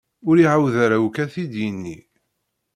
Ur iɛawed ara akk ad t-id-yini.